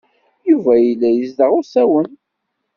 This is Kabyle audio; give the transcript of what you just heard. Yuba yella yezdeɣ usawen.